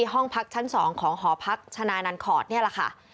ห้องพักชั้น๒ของหอพักชนะนันคอร์ดนี่แหละค่ะ